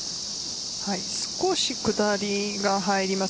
少し下りが入ります。